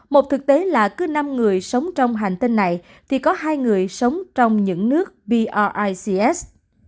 một thực tế là cứ năm người sống trong hành tinh này thì có hai người sống trong những nước bics